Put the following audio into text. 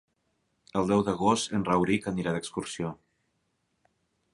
El deu d'agost en Rauric anirà d'excursió.